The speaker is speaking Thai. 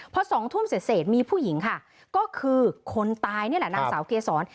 พอ๒ทุ่มเสร็จมีผู้หญิงค่ะก็คือคนตายนี่แหละนางสาวเกษร